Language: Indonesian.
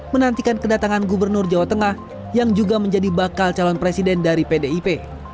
menantikan kedatangan gubernur jawa tengah yang juga menjadi bakal calon presiden dari pdip